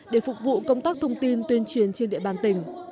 để phục vụ công tác thông tin tuyên truyền trên địa bàn tỉnh